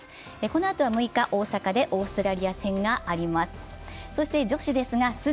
このあとは６日、大阪でオーストラリア戦があります。